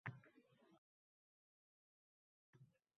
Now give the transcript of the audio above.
Soqqamni nima qilib qo‘ydingiz?!